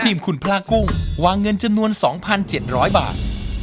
ทีมคุณพระกุ้งวางเงินจำนวน๒๗๐๐บาท